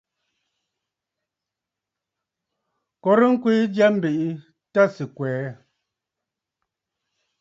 Korə ŋkwee jya, mbèʼe tâ sɨ̀ kwɛɛ.